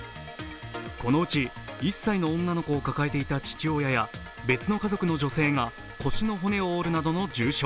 このうち１歳の女の子を抱えていた父親や別の家族の女性が腰の骨を折るなどの重傷。